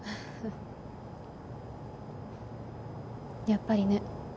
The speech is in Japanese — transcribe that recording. やっぱりね。